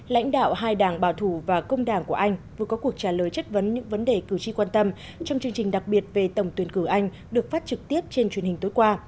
lãnh đạo hai đảng bảo thủ và công đảng của anh vừa có cuộc trả lời chất vấn những vấn đề cử tri quan tâm trong chương trình đặc biệt về tổng tuyển cử anh được phát trực tiếp trên truyền hình tối qua